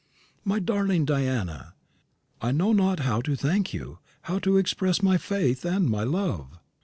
"My darling Diana, I know not how to thank you, how to express my faith and my love."